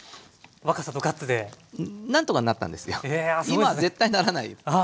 今は絶対ならない。